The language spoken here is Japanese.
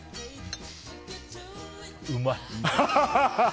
うまい。